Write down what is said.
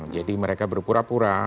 jadi mereka berpura pura